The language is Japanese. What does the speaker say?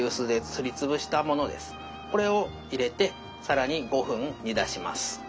これを入れて更に５分煮出します。